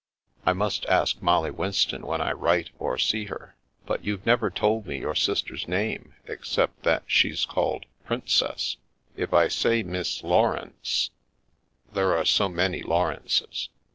" I must ask Molly Winston, when I write, or see her. But you've never told me your sister's name, except that she's called * Princess.' If I say Miss Laurence "There are so many Laurences.